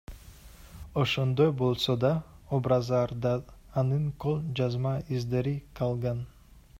Ошондой болсо да, образдарда анын кол жазма издери калган.